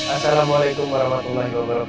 assalamualaikum warahmatullahi wabarakatuh